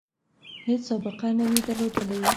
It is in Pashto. هیڅ سابقه نه وي درلودلې.